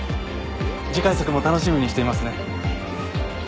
次回作も楽しみにしていますね。